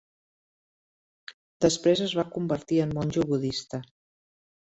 Després es va convertir en monjo budista.